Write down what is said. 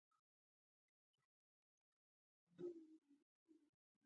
دوی د ماتې له خوړلو څخه وروسته سوله وکړه.